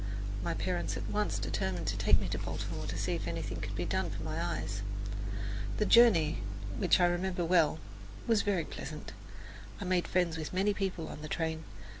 My parents at once determined to take me to Baltimore to see if anything could be done for my eyes. The journey, which I remember well was very pleasant. I made friends with many people on the train.